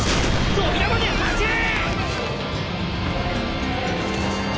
扉まで走れ！